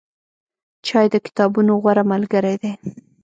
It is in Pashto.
چای د کتابونو غوره ملګری دی.